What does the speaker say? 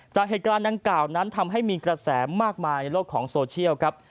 จากเหตุการณ์ดังกล่าวนั้นทำให้มีกระแสมากมายในโลกของโซเชียลครับ